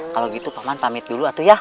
kalau gitu paman pamit dulu